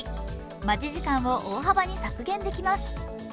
待ち時間を大幅に削減できます。